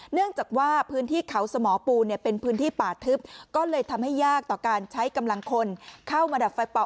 เนื่องจากว่าพื้นที่เขาสมอปูเนี่ยเป็นพื้นที่ป่าทึบก็เลยทำให้ยากต่อการใช้กำลังคนเข้ามาดับไฟเป่า